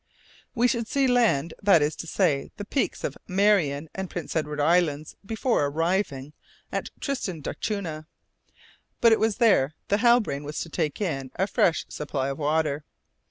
We should see land, that is to say the peaks of Marion and Prince Edward Islands, before arriving at Tristan d'Acunha, but it was there the Halbrane was to take in a fresh supply of water.